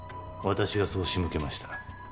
私がそう仕向けました。